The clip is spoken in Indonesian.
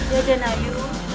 ya ibu dan ayu